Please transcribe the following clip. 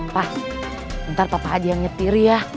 wah ntar papa aja yang nyetir ya